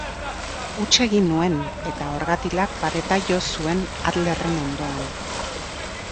Huts egin nuen, eta orgatilak pareta jo zuen Adlerren ondoan.